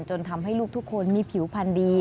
จนทำให้ลูกทุกคนมีผิวพันธุ์ดี